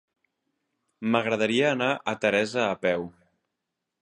M'agradaria anar a Teresa a peu.